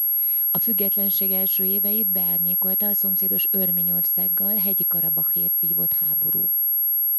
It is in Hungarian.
A függetlenség első éveit beárnyékolta a szomszédos Örményországgal Hegyi-Karabahért vívott háború.